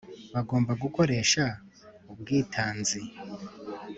bagomba gukoresha ubwitanzi